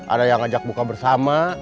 ada yang ngajak buka bersama